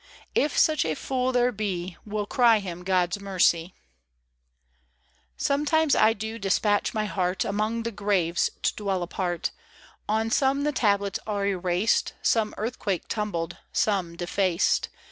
If such a fool there be We'll cry him God's mercie I SOMETIMES I do despatch my heart Among the graves to dwell apart : On some the tablets are erased, Some earthquake tumbled, some defaced.